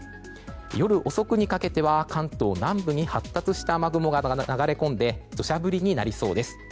夜遅くにかけては関東南部に発達した雨雲が流れ込んで土砂降りになりそうです。